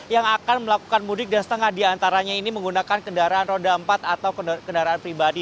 yang akan melakukan mudik dan setengah diantaranya ini menggunakan kendaraan roda empat atau kendaraan pribadi